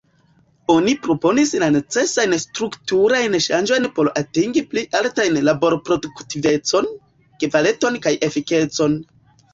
Oni proponis la necesajn strukturajn ŝanĝojn por atingi pli altajn laborproduktivecon, kvaliton kaj efikecon.